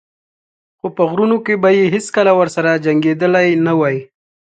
خو په غرونو کې به یې هېڅکله ورسره جنګېدلی نه وای.